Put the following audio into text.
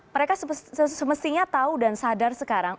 mereka semestinya tahu dan sadar sekarang